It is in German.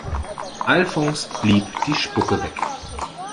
Alfons blieb die Spucke weg.